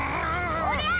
おりゃあ！